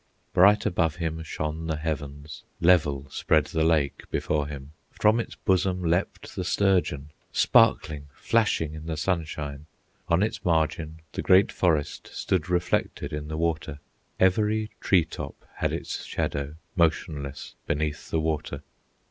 Bright above him shone the heavens, Level spread the lake before him; From its bosom leaped the sturgeon, Sparkling, flashing in the sunshine; On its margin the great forest Stood reflected in the water, Every tree top had its shadow, Motionless beneath the water.